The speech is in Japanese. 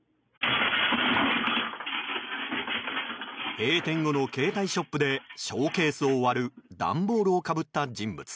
閉店後の携帯ショップでショーケースを割る段ボールをかぶった人物。